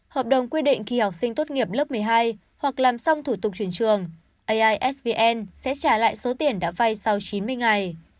hợp đồng quy định khi học sinh tốt nghiệp lớp một mươi hai hoặc làm xong thủ tục chuyển trường aisvn sẽ trả lại số tiền đã vay sau chín mươi ngày